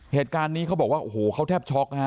เหตุการณ์นี้เขาบอกว่าเขาแทบช็อก